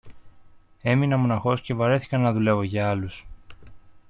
έμεινα μονάχος και βαρέθηκα να δουλεύω για άλλους.